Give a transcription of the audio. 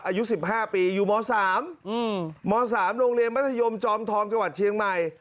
อายุ๑๕ปีอยู่ม๓ม๓โรงเรียนมัธยมจอมทองจังหวัดเชียงใหม่